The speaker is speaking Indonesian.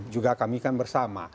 juga kami kan bersama